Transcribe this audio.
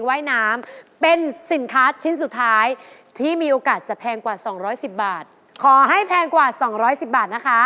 รับเพิ่มอีก๕๐๐๐บาทเป็น๑๐๐๐๐บาท